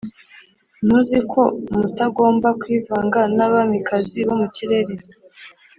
ntuzi ko mutagomba kwivanga n'abamikazi bo mu kirere?